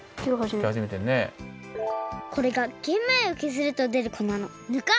これがげん米をけずるとでるこなのぬか。